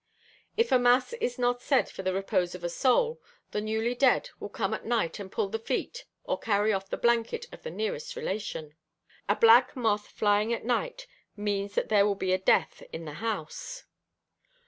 If a mass is not said for the repose of a soul, the newly dead will come at night and pull the feet or carry off the blanket of the nearest relation. A black moth flying at night means that there will be a death in the house.